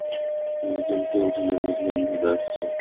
নবীন চমকে উঠল, বুঝলে দাদা আসছে।